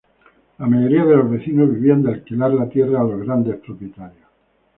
La mayoría de los vecinos vivían de alquilar la tierra a los grandes propietarios.